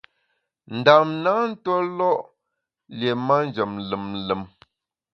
Ndam na ntuólo’ lié manjem lùm lùm.